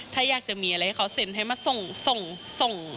ถ้าอยากจะมีอะไรให้เขาเซ็นให้มาส่งส่ง